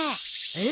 えっ？